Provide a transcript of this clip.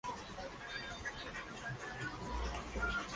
Jackson dijo que había programado una gira de conciertos con anterioridad.